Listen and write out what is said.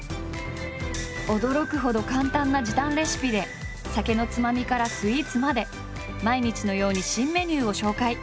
驚くほど簡単な時短レシピで酒のつまみからスイーツまで毎日のように新メニューを紹介。